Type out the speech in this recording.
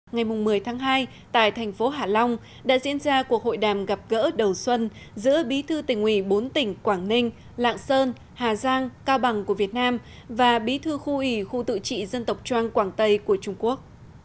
ngày một mươi tháng hai tại thành phố hạ long đã diễn ra cuộc hội đàm gặp gỡ đầu xuân giữa bí thư tỉnh ủy bốn tỉnh quảng ninh lạng sơn hà giang cao bằng của việt nam và bí thư khu ủy khu tự trị dân tộc trang quảng tây của trung quốc